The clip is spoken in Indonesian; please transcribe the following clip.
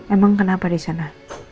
emang kenapa disana